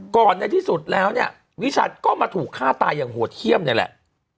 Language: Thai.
ในที่สุดแล้วเนี่ยวิชัดก็มาถูกฆ่าตายอย่างโหดเยี่ยมนี่แหละ